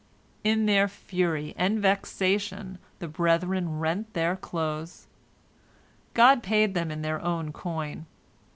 " In their fury and vexation, the brethren rent their clothes. God paid them in their own coin.